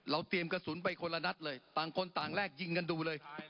เตรียมกระสุนไปคนละนัดเลยต่างคนต่างแรกยิงกันดูเลย